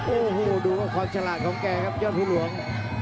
โอ้โหดูครับความฉลาดของแกครับยอดภูหลวง